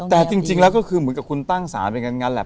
แต่จริงแล้วก็คือเหมือนกับคุณตั้งศาลเหมือนกันนั้นแหละ